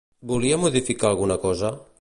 Volia modificar alguna cosa?